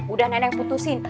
udah nenek putusin